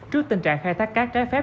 trước tình trạng khai thác cát trái phép